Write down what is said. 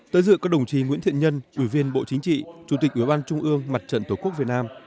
tới dự có đồng chí nguyễn thiện nhân ủy viên bộ chính trị chủ tịch ủy ban trung ương mặt trận tổ quốc việt nam